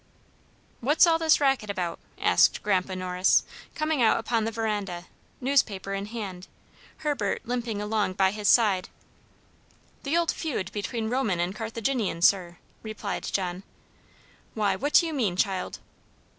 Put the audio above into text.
"What's all this racket about?" asked Grandpa Norris, coming out upon the veranda, newspaper in hand, Herbert limping along by his side. "The old feud between Roman and Carthaginian, sir," replied John. "Why, what do you mean, child?"